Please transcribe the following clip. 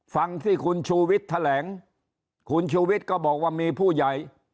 ฟังที่คุณชูวิทย์แถลงคุณชูวิทย์ก็บอกว่ามีผู้ใหญ่